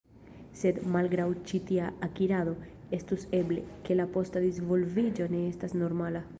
Sed, malgraŭ ĉi tia akirado, estus eble, ke la posta disvolviĝo ne estas normala.